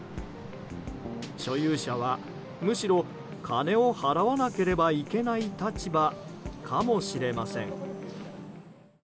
所有者は、むしろ金を払わなければいけない立場かもしれません。